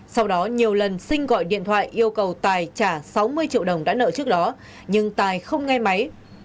sau đó nhiều lần sinh gọi điện thoại yêu cầu tài trả sáu mươi triệu đồng đã nợ trước đó nhưng tài không nghe máy